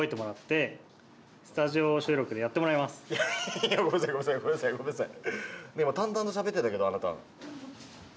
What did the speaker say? いやごめんなさいごめんなさいごめんなさいごめんなさい。